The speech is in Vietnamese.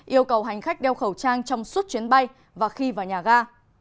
yêu cầu hành khách đeo khẩu trang trong suốt chuyến bay và khi vào nhà ga